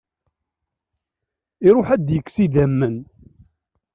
Iruḥ ad d-yekkes idammen.